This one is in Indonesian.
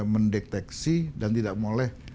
mendeteksi dan tidak boleh